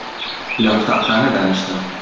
لە قوتابخانە دانیشتم